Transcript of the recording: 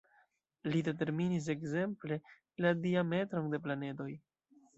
Li determinis ekzemple, la diametron de planedoj.